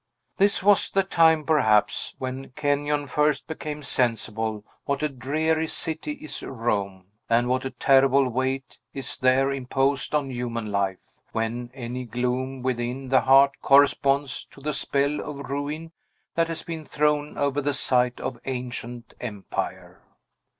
This was the time, perhaps, when Kenyon first became sensible what a dreary city is Rome, and what a terrible weight is there imposed on human life, when any gloom within the heart corresponds to the spell of ruin that has been thrown over the site of ancient empire.